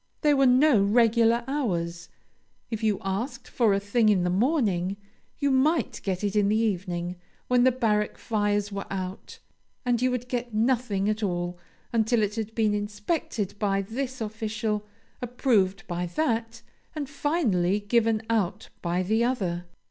There were no regular hours; if you asked for a thing in the morning, you might get it in the evening, when the barrack fires were out. And you could get nothing at all until it had been inspected by this official, approved by that, and finally given out by the other.